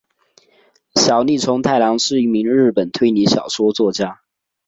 小栗虫太郎是一名日本推理小说作家。